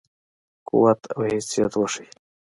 قوت او حیثیت وښيي.